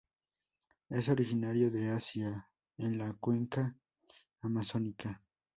Es originario de Asia, en la cuenca Amazónica.